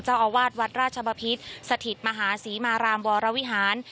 เจ้าอาวาสวัดราชบพิษสถิตมหาศรีมารามวรวิหาร